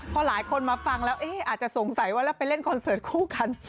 พอหลายคนมาฟังแล้วอาจจะสงสัยว่าแล้วไปเล่นคอนเสิร์ตคู่กัน